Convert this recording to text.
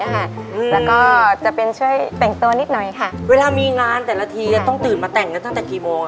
แล้วก็จะเป็นช่วยแต่งตัวนิดหน่อยค่ะเวลามีงานแต่ละทีจะต้องตื่นมาแต่งกันตั้งแต่กี่โมง